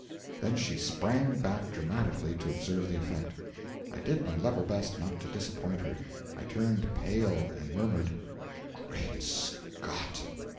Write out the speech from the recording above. Then she sprang back dramatically, to observe the effect. I did my level best not to disappoint her. I turned pale and murmured: 'Great Scott!'